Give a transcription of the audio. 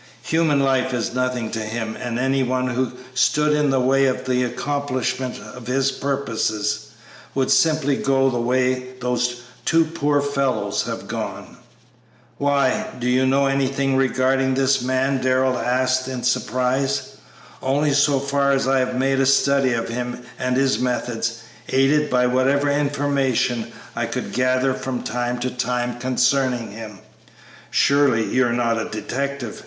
Human life is nothing to him, and any one who stood in the way of the accomplishment of his purposes would simply go the way those two poor fellows have gone." "Why, do you know anything regarding this man?" Darrell asked in surprise. "Only so far as I have made a study of him and his methods, aided by whatever information I could gather from time to time concerning him." "Surely, you are not a detective!"